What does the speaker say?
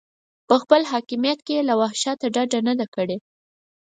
په خپل حاکمیت کې یې له وحشته ډډه نه ده کړې.